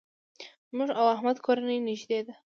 زموږ او احمد کورنۍ نېږدې ده.